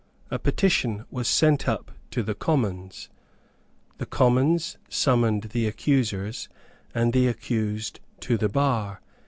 A petition was sent up to the Commons. The Commons summoned the accusers and the accused to the bar.